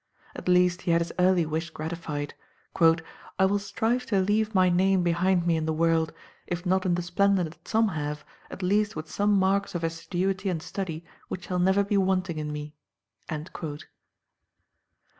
At least he had his early wish gratified, "I will strive to leave my name behind me in the world, if not in the splendour that some have, at least with some marks of assiduity and study which shall never be wanting in me."